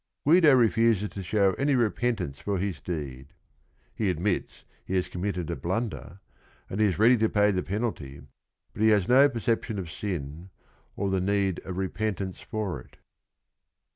Guido refuses to show any repentance for his deed. He admits he has committed a blunder, and he is ready to pay the penalty, but he has no perception of sin or the need of repentance for it.